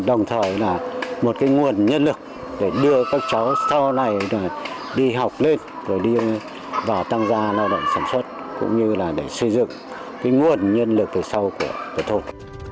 đồng thời là một cái nguồn nhân lực để đưa các cháu sau này đi học lên rồi đi vào tăng gia lao động sản xuất cũng như là để xây dựng cái nguồn nhân lực từ sau của thôn